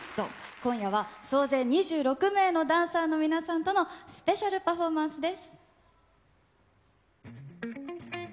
今夜は総勢２６名のダンサーの皆さんとのスペシャルパフォーマンスです。